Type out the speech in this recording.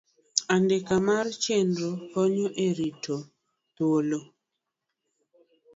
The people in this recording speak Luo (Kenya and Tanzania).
Andika mar Chenro konyo e rito thuolo.